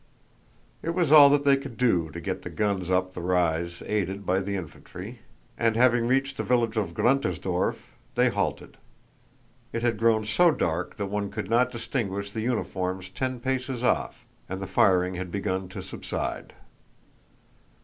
It was all that they could do to get the guns up the rise aided by the infantry, and having reached the village of Gruntersdorf they halted. It had grown so dark that one could not distinguish the uniforms ten paces off, and the firing had begun to subside.